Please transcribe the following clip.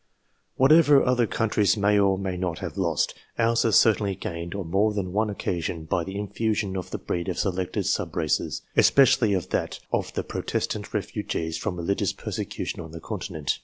TO THE EDITION OF 1892 Whatever other countries may or may not have lost, ours has certainly gained on more than one occasion by the infusion of the breed of selected sub races, especially of that of the Protestant refugees from religious persecu tion on the Continent.